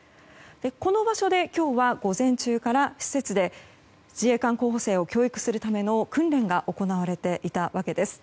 この施設で今日は午前中から自衛官候補生を教育するための訓練が行われていたわけです。